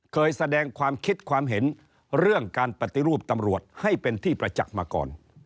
เคยแสดงความคิดความเห็นเรื่องการปฏิรูปตำรวจให้เป็นที่ประจักษ์มาก่อน